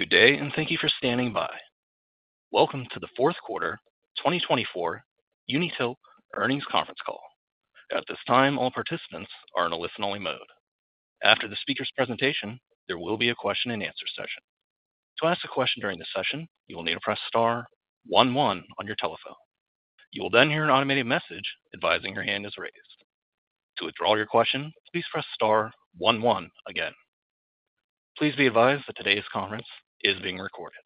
Good day, and thank you for standing by. Welcome to the fourth quarter 2024 Unitil earnings conference call. At this time, all participants are in a listen-only mode. After the speaker's presentation, there will be a question and answer session. To ask a question during the session, you will need to press star one one on your telephone. You will then hear an automated message advising your hand is raised. To withdraw your question, please press star one one again. Please be advised that today's conference is being recorded.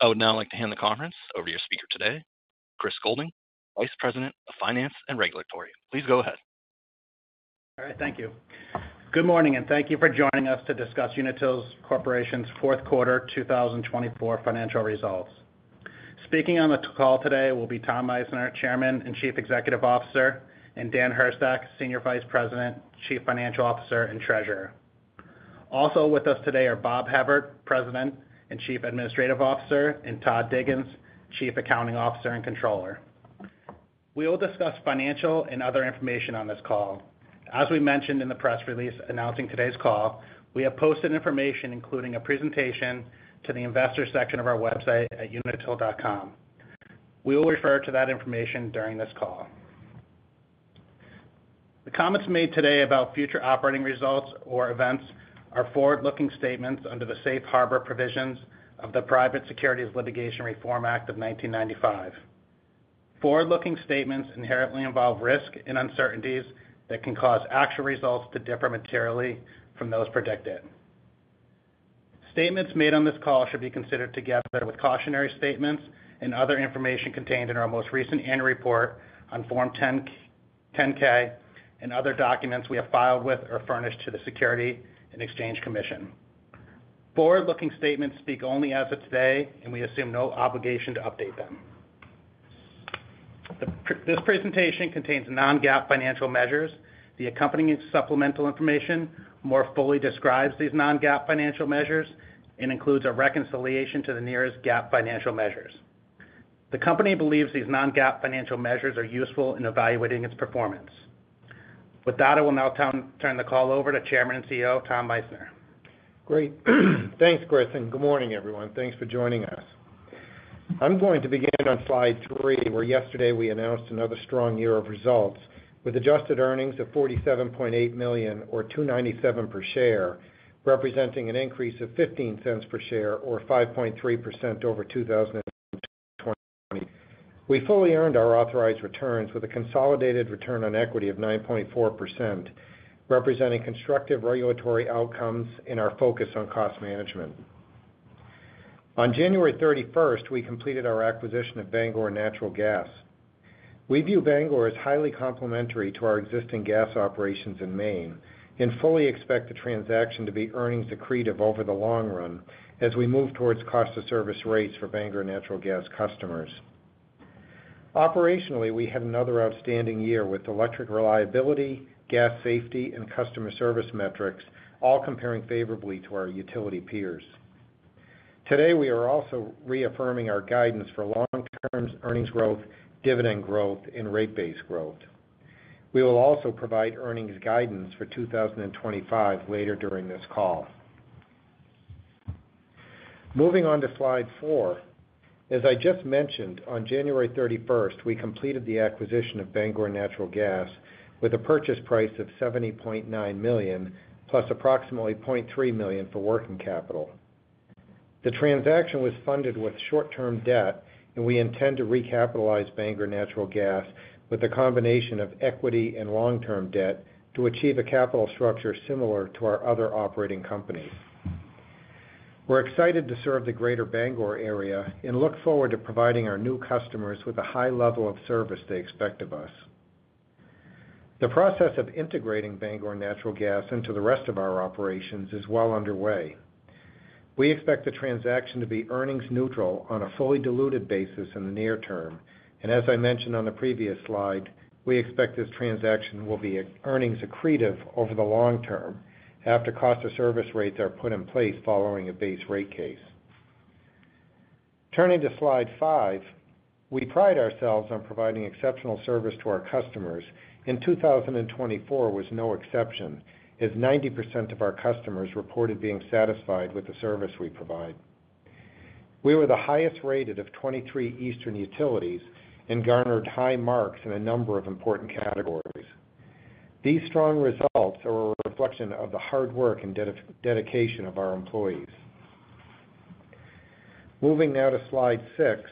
I would now like to hand the conference over to your speaker today, Chris Goulding, Vice President of Finance and Regulatory. Please go ahead. All right. Thank you. Good morning, and thank you for joining us to discuss Unitil Corporation's fourth quarter 2024 financial results. Speaking on the call today will be Tom Meissner, Chairman and Chief Executive Officer, and Dan Hurstak, Senior Vice President, Chief Financial Officer, and Treasurer. Also with us today are Bob Hevert, President and Chief Administrative Officer, and Todd Diggins, Chief Accounting Officer and Controller. We will discuss financial and other information on this call. As we mentioned in the press release announcing today's call, we have posted information including a presentation to the investor section of our website at unitil.com. We will refer to that information during this call. The comments made today about future operating results or events are forward-looking statements under the Safe Harbor Provisions of the Private Securities Litigation Reform Act of 1995. Forward-looking statements inherently involve risk and uncertainties that can cause actual results to differ materially from those predicted. Statements made on this call should be considered together with cautionary statements and other information contained in our most recent annual report on Form 10-K and other documents we have filed with or furnished to the Securities and Exchange Commission. Forward-looking statements speak only as of today, and we assume no obligation to update them. This presentation contains non-GAAP financial measures. The accompanying supplemental information more fully describes these non-GAAP financial measures and includes a reconciliation to the nearest GAAP financial measures. The company believes these non-GAAP financial measures are useful in evaluating its performance. With that, I will now turn the call over to Chairman and CEO Tom Meissner. Great. Thanks, Chris. And good morning, everyone. Thanks for joining us. I'm going to begin on slide three, where yesterday we announced another strong year of results with adjusted earnings of $47.8 million, or $2.97 per share, representing an increase of $0.15 per share, or 5.3% over 2020. We fully earned our authorized returns with a consolidated return on equity of 9.4%, representing constructive regulatory outcomes in our focus on cost management. On January 31st, we completed our acquisition of Bangor Natural Gas. We view Bangor as highly complementary to our existing gas operations in Maine and fully expect the transaction to be earnings accretive over the long run as we move towards cost-of-service rates for Bangor Natural Gas customers. Operationally, we had another outstanding year with electric reliability, gas safety, and customer service metrics, all comparing favorably to our utility peers. Today, we are also reaffirming our guidance for long-term earnings growth, dividend growth, and rate base growth. We will also provide earnings guidance for 2025 later during this call. Moving on to slide four, as I just mentioned, on January 31st, we completed the acquisition of Bangor Natural Gas with a purchase price of $70.9 million, plus approximately $0.3 million for working capital. The transaction was funded with short-term debt, and we intend to recapitalize Bangor Natural Gas with a combination of equity and long-term debt to achieve a capital structure similar to our other operating companies. We're excited to serve the greater Bangor area and look forward to providing our new customers with a high level of service they expect of us. The process of integrating Bangor Natural Gas into the rest of our operations is well underway. We expect the transaction to be earnings neutral on a fully diluted basis in the near term. As I mentioned on the previous slide, we expect this transaction will be earnings accretive over the long term after cost-of-service rates are put in place following a base rate case. Turning to slide five, we pride ourselves on providing exceptional service to our customers, and 2024 was no exception, as 90% of our customers reported being satisfied with the service we provide. We were the highest rated of 23 Eastern utilities and garnered high marks in a number of important categories. These strong results are a reflection of the hard work and dedication of our employees. Moving now to slide six,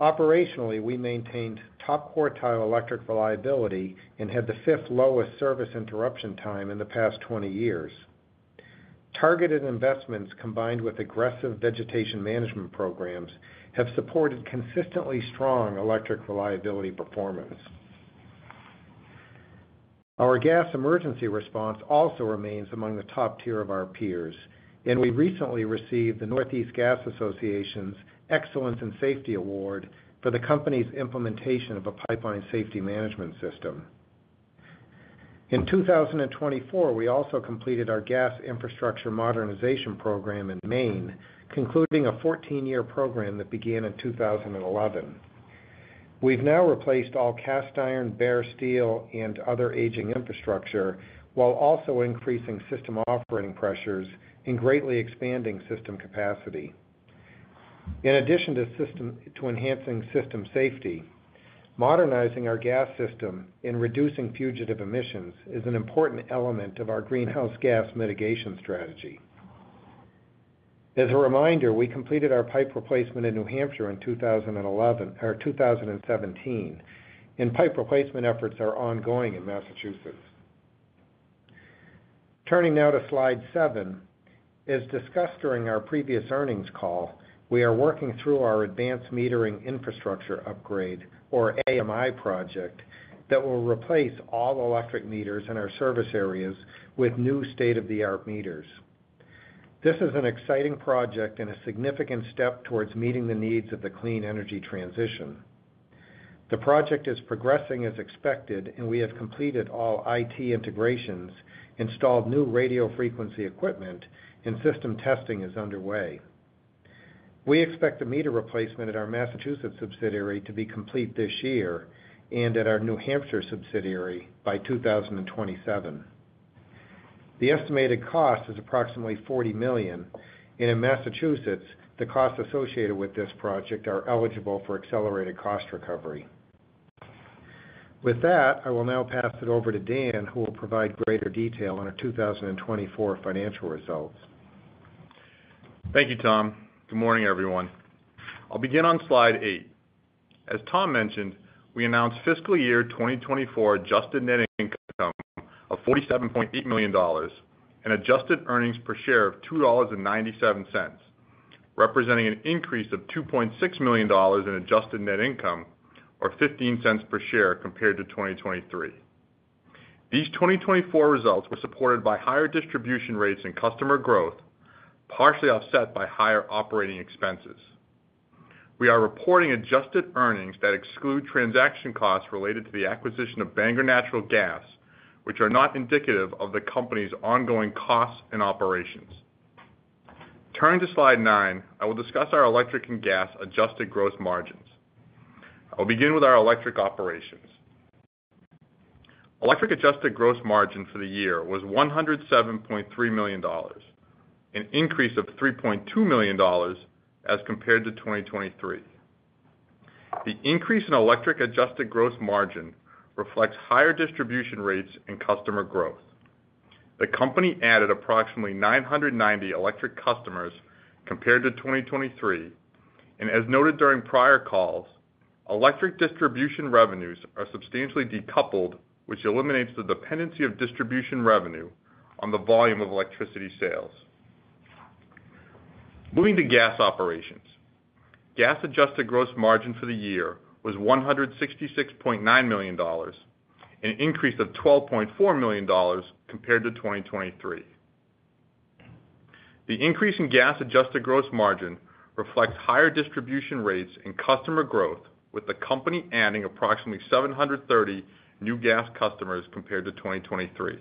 operationally, we maintained top quartile electric reliability and had the fifth lowest service interruption time in the past 20 years. Targeted investments combined with aggressive vegetation management programs have supported consistently strong electric reliability performance. Our gas emergency response also remains among the top tier of our peers, and we recently received the Northeast Gas Association's PSMS Excellence in Safety Award for the company's implementation of a pipeline safety management system. In 2024, we also completed our gas infrastructure modernization program in Maine, concluding a 14-year program that began in 2011. We've now replaced all cast iron, bare steel, and other aging infrastructure while also increasing system operating pressures and greatly expanding system capacity. In addition to enhancing system safety, modernizing our gas system and reducing fugitive emissions is an important element of our greenhouse gas mitigation strategy. As a reminder, we completed our pipe replacement in New Hampshire in 2017, and pipe replacement efforts are ongoing in Massachusetts. Turning now to slide seven, as discussed during our previous earnings call, we are working through our advanced metering infrastructure upgrade, or AMI project, that will replace all electric meters in our service areas with new state-of-the-art meters. This is an exciting project and a significant step towards meeting the needs of the clean energy transition. The project is progressing as expected, and we have completed all IT integrations, installed new radio frequency equipment, and system testing is underway. We expect the meter replacement at our Massachusetts subsidiary to be complete this year and at our New Hampshire subsidiary by 2027. The estimated cost is approximately $40 million, and in Massachusetts, the costs associated with this project are eligible for accelerated cost recovery. With that, I will now pass it over to Dan, who will provide greater detail on our 2024 financial results. Thank you, Tom. Good morning, everyone. I'll begin on slide eight. As Tom mentioned, we announced fiscal year 2024 adjusted net income of $47.8 million and adjusted earnings per share of $2.97, representing an increase of $2.6 million in adjusted net income, or $0.15 per share compared to 2023. These 2024 results were supported by higher distribution rates and customer growth, partially offset by higher operating expenses. We are reporting adjusted earnings that exclude transaction costs related to the acquisition of Bangor Natural Gas, which are not indicative of the company's ongoing costs and operations. Turning to slide nine, I will discuss our electric and gas adjusted gross margins. I'll begin with our electric operations. Electric adjusted gross margin for the year was $107.3 million, an increase of $3.2 million as compared to 2023. The increase in electric adjusted gross margin reflects higher distribution rates and customer growth. The company added approximately 990 electric customers compared to 2023, and as noted during prior calls, electric distribution revenues are substantially decoupled, which eliminates the dependency of distribution revenue on the volume of electricity sales. Moving to gas operations, gas adjusted gross margin for the year was $166.9 million, an increase of $12.4 million compared to 2023. The increase in gas adjusted gross margin reflects higher distribution rates and customer growth, with the company adding approximately 730 new gas customers compared to 2023.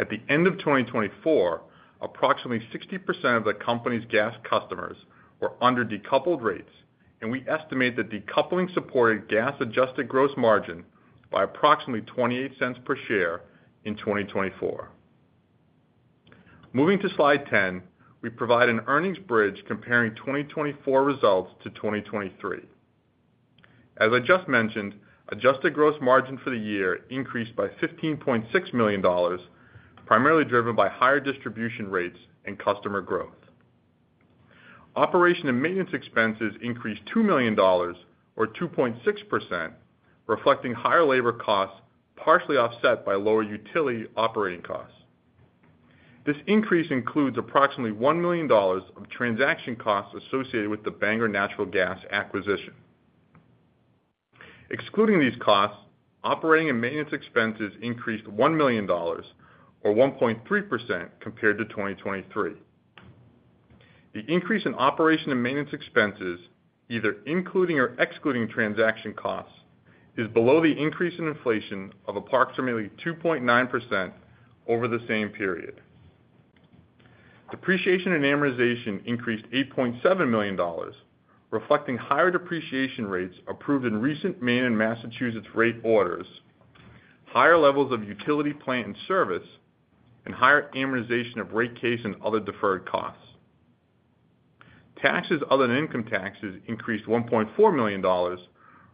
At the end of 2024, approximately 60% of the company's gas customers were under decoupled rates, and we estimate that decoupling supported gas adjusted gross margin by approximately $0.28 per share in 2024. Moving to slide 10, we provide an earnings bridge comparing 2024 results to 2023. As I just mentioned, adjusted gross margin for the year increased by $15.6 million, primarily driven by higher distribution rates and customer growth. Operations and maintenance expenses increased $2 million, or 2.6%, reflecting higher labor costs partially offset by lower utility operating costs. This increase includes approximately $1 million of transaction costs associated with the Bangor Natural Gas acquisition. Excluding these costs, operating and maintenance expenses increased $1 million, or 1.3%, compared to 2023. The increase in operations and maintenance expenses, either including or excluding transaction costs, is below the increase in inflation of approximately 2.9% over the same period. Depreciation and amortization increased $8.7 million, reflecting higher depreciation rates approved in recent Maine and Massachusetts rate orders, higher levels of utility plant in service, and higher amortization of rate case and other deferred costs. Taxes other than income taxes increased $1.4 million,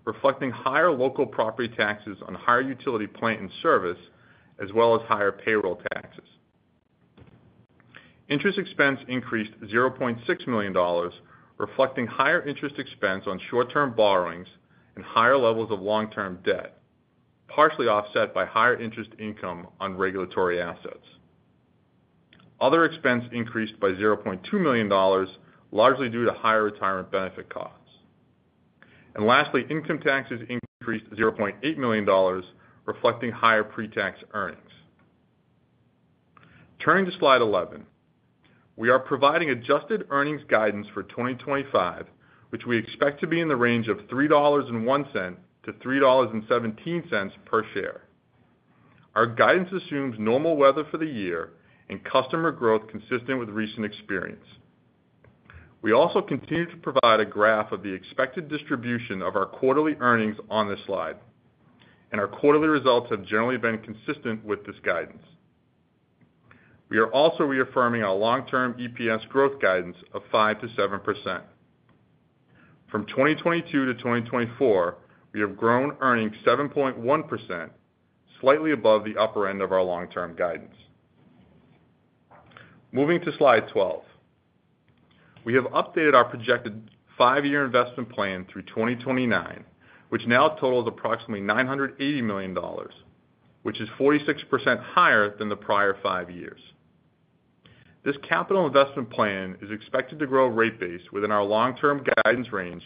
reflecting higher local property taxes on higher utility plant and service, as well as higher payroll taxes. Interest expense increased $0.6 million, reflecting higher interest expense on short-term borrowings and higher levels of long-term debt, partially offset by higher interest income on regulatory assets. Other expense increased by $0.2 million, largely due to higher retirement benefit costs. And lastly, income taxes increased $0.8 million, reflecting higher pre-tax earnings. Turning to slide 11, we are providing adjusted earnings guidance for 2025, which we expect to be in the range of $3.01-$3.17 per share. Our guidance assumes normal weather for the year and customer growth consistent with recent experience. We also continue to provide a graph of the expected distribution of our quarterly earnings on this slide, and our quarterly results have generally been consistent with this guidance. We are also reaffirming our long-term EPS growth guidance of 5%-7%. From 2022 to 2024, we have grown earnings 7.1%, slightly above the upper end of our long-term guidance. Moving to slide 12, we have updated our projected five-year investment plan through 2029, which now totals approximately $980 million, which is 46% higher than the prior five years. This capital investment plan is expected to grow rate base within our long-term guidance range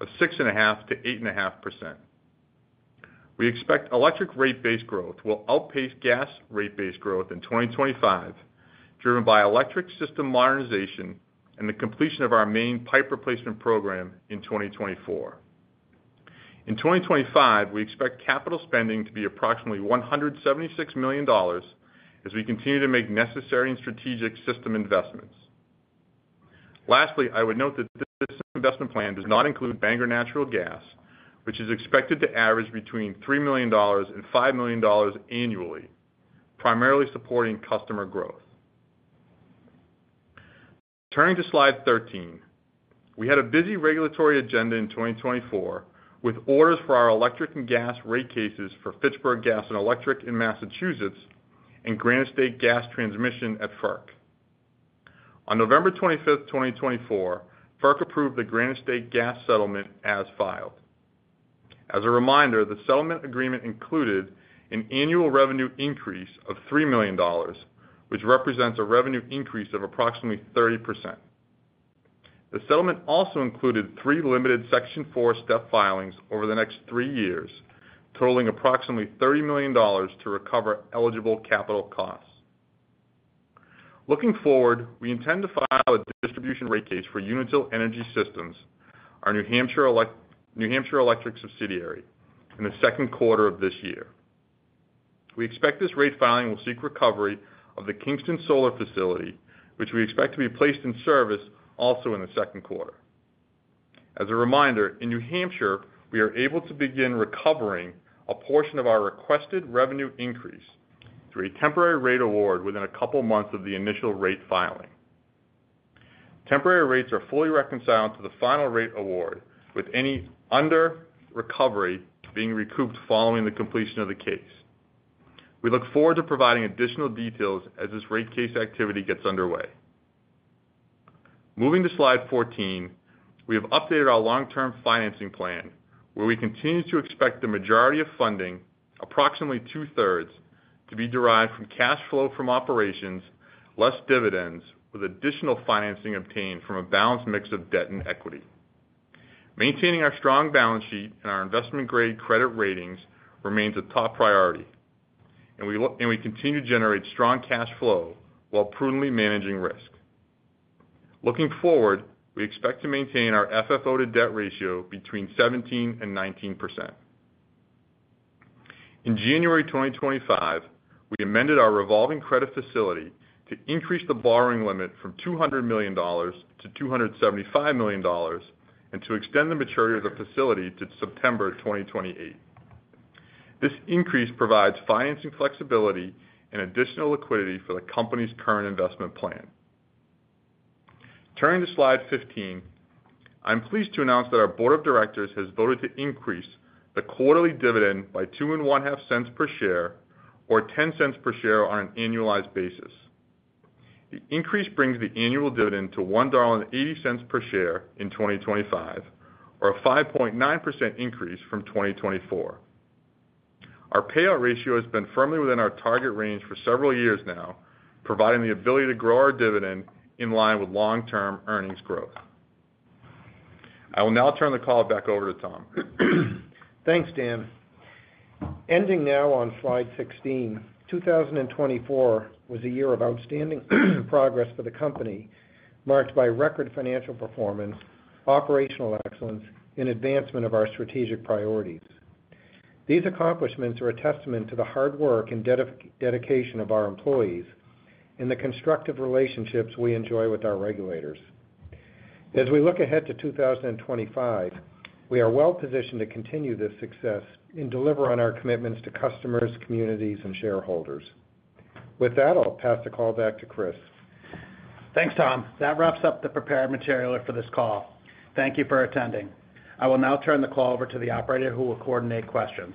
of 6.5%-8.5%. We expect electric rate base growth will outpace gas rate base growth in 2025, driven by electric system modernization and the completion of our Maine pipe replacement program in 2024. In 2025, we expect capital spending to be approximately $176 million, as we continue to make necessary and strategic system investments. Lastly, I would note that this investment plan does not include Bangor Natural Gas, which is expected to average between $3 million and $5 million annually, primarily supporting customer growth. Turning to slide 13, we had a busy regulatory agenda in 2024 with orders for our electric and gas rate cases for Fitchburg Gas & Electric Light in Massachusetts and Granite State Gas Transmission at FERC. On November 25th, 2024, FERC approved the Granite State Gas settlement as filed. As a reminder, the settlement agreement included an annual revenue increase of $3 million, which represents a revenue increase of approximately 30%. The settlement also included three limited Section 4 step filings over the next three years, totaling approximately $30 million to recover eligible capital costs. Looking forward, we intend to file a distribution rate case for Unitil Energy Systems, our New Hampshire electric subsidiary, in the second quarter of this year. We expect this rate filing will seek recovery of the Kingston Solar facility, which we expect to be placed in service also in the second quarter. As a reminder, in New Hampshire, we are able to begin recovering a portion of our requested revenue increase through a temporary rate award within a couple of months of the initial rate filing. Temporary rates are fully reconciled to the final rate award, with any under recovery being recouped following the completion of the case. We look forward to providing additional details as this rate case activity gets underway. Moving to slide 14, we have updated our long-term financing plan, where we continue to expect the majority of funding, approximately two-thirds, to be derived from cash flow from operations, less dividends, with additional financing obtained from a balanced mix of debt and equity. Maintaining our strong balance sheet and our investment-grade credit ratings remains a top priority, and we continue to generate strong cash flow while prudently managing risk. Looking forward, we expect to maintain our FFO to debt ratio between 17% and 19%. In January 2025, we amended our revolving credit facility to increase the borrowing limit from $200 million to $275 million and to extend the maturity of the facility to September 2028. This increase provides financing flexibility and additional liquidity for the company's current investment plan. Turning to slide 15, I'm pleased to announce that our Board of Directors has voted to increase the quarterly dividend by $0.025 per share, or $0.10 per share on an annualized basis. The increase brings the annual dividend to $1.80 per share in 2025, or a 5.9% increase from 2024. Our payout ratio has been firmly within our target range for several years now, providing the ability to grow our dividend in line with long-term earnings growth. I will now turn the call back over to Tom. Thanks, Dan. Ending now on slide 16, 2024 was a year of outstanding progress for the company, marked by record financial performance, operational excellence, and advancement of our strategic priorities. These accomplishments are a testament to the hard work and dedication of our employees and the constructive relationships we enjoy with our regulators. As we look ahead to 2025, we are well positioned to continue this success and deliver on our commitments to customers, communities, and shareholders. With that, I'll pass the call back to Chris. Thanks, Tom. That wraps up the prepared material for this call. Thank you for attending. I will now turn the call over to the operator, who will coordinate questions.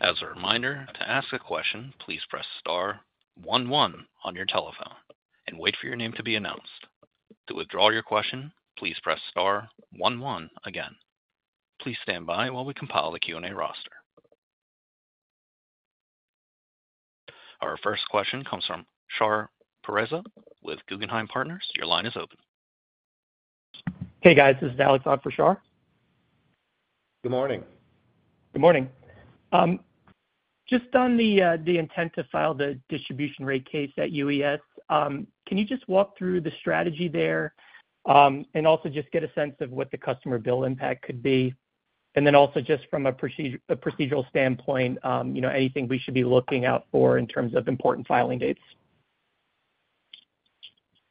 As a reminder, to ask a question, please press star one one on your telephone and wait for your name to be announced. To withdraw your question, please press star one one again. Please stand by while we compile the Q&A roster. Our first question comes from Shar Pourreza with Guggenheim Partners. Your line is open. Hey, guys. This is Alex Haught for Shar. Good morning. Good morning. Just on the intent to file the distribution rate case at UES, can you just walk through the strategy there and also just get a sense of what the customer bill impact could be, and then also just from a procedural standpoint, anything we should be looking out for in terms of important filing dates?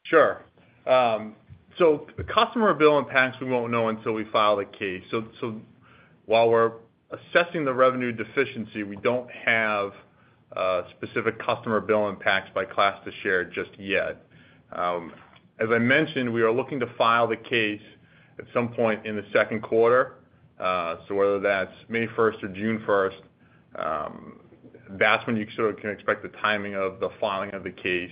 Sure. So, customer bill impacts we won't know until we file the case. So while we're assessing the revenue deficiency, we don't have specific customer bill impacts by class to share just yet. As I mentioned, we are looking to file the case at some point in the second quarter. So whether that's May 1st or June 1st, that's when you can expect the timing of the filing of the case.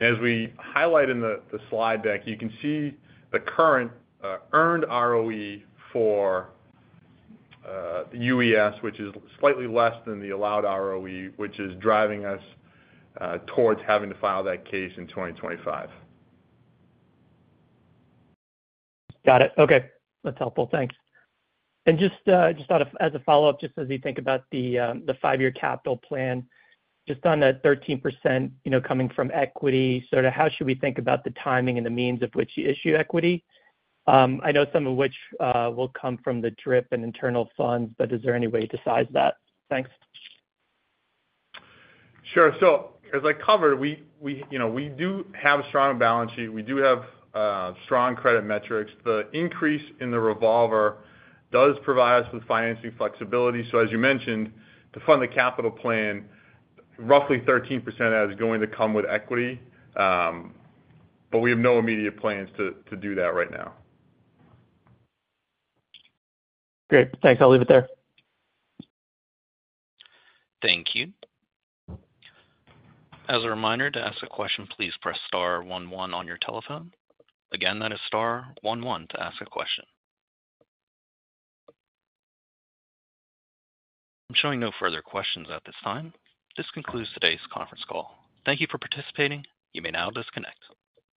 And as we highlight in the slide deck, you can see the current earned ROE for UES, which is slightly less than the allowed ROE, which is driving us towards having to file that case in 2025. Got it. Okay. That's helpful. Thanks. And just as a follow-up, just as you think about the five-year capital plan, just on that 13% coming from equity, sort of how should we think about the timing and the means of which you issue equity? I know some of which will come from the DRIP and internal funds, but is there any way to size that? Thanks. Sure. So as I covered, we do have a strong balance sheet. We do have strong credit metrics. The increase in the revolver does provide us with financing flexibility. So as you mentioned, to fund the capital plan, roughly 13% is going to come with equity, but we have no immediate plans to do that right now. Great. Thanks. I'll leave it there. Thank you. As a reminder, to ask a question, please press star one one on your telephone. Again, that is star one one to ask a question. I'm showing no further questions at this time. This concludes today's conference call. Thank you for participating. You may now disconnect.